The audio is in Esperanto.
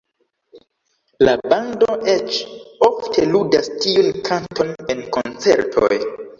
La bando eĉ ofte ludas tiun kanton en koncertoj.